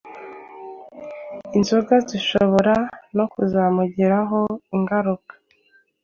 inzoga zishobora no kuzamugiraho ingaruka